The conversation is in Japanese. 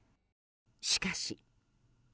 しかし。